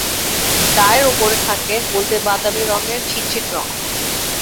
গায়ের ওপরে থাকে হলদে-বাদামি রঙের ছিট ছিট রঙ।